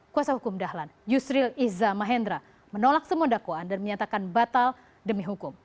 kuasa hukum dahlan yusril iza mahendra menolak semua dakwaan dan menyatakan batal demi hukum